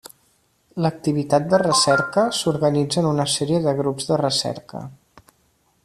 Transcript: L'activitat de recerca s'organitza en una sèrie de grups de recerca.